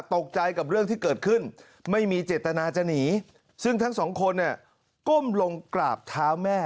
ตกใจกับเรื่องที่เกิดขึ้นไม่มีเจตนาจะหนีซึ่งทั้งสองคนเนี่ยก้มลงกราบเท้าแม่